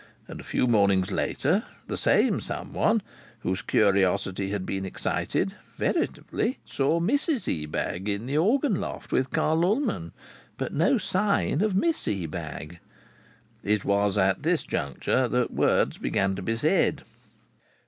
And a few mornings later the same someone, whose curiosity had been excited, veritably saw Mrs Ebag in the organ loft with Carl Ullman, but no sign of Miss Ebag. It was at this juncture that words began to be said.